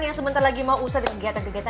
yang sebentar lagi mau usah di kegiatan kegiatan